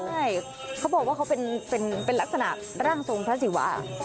ใช่เขาบอกว่าเขาเป็นลักษณะร่างทรงพระศิวะ